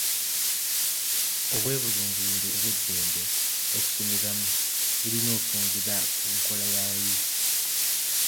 Obwebulungulule obw'eddembe okusomeramu bulina okwongera ku nkola y'abayizi.